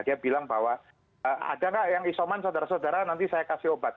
dia bilang bahwa ada nggak yang isoman saudara saudara nanti saya kasih obat